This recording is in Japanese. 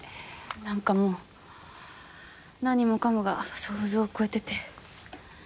何かもう何もかもが想像を超えてて。